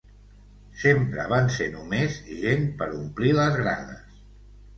Sempre van ser només gent per omplir les grades.